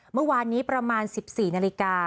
เมื่อวานนี้ประมาณ๑๔นาฬิกา